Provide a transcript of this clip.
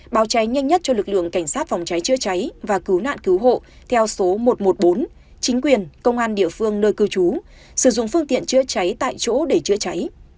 báo cháy nhanh nhất cho lực lượng cảnh sát phòng cháy chữa cháy và cứu nạn cứu hộ theo số một trăm một mươi bốn chính quyền công an địa phương nơi cư trú sử dụng phương tiện chữa cháy tại chỗ để chữa cháy